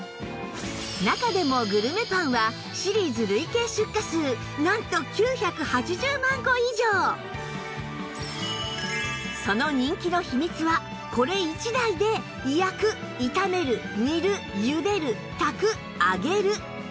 中でもグルメパンはその人気の秘密はこれ１台で焼く炒める煮るゆでる炊く揚げる